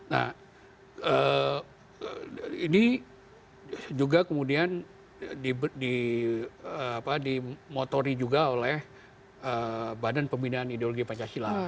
nah ini juga kemudian dimotori juga oleh badan pembinaan ideologi pancasila